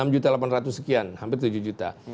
enam juta delapan ratus sekian hampir tujuh juta